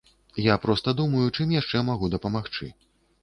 Я проста думаю, чым яшчэ магу дапамагчы.